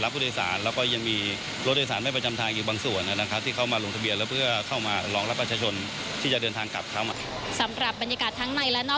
และหรือรถพี่ใจตัวเขาส่งกลับไปกับด้านไฟฟ้า